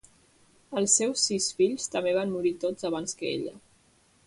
Els seus sis fills també van morir tots abans que ella.